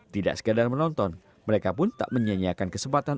tidak sekadar menonton mereka pun tak menyanyiakan kesempatan